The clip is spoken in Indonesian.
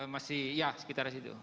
masih ya sekitar disitu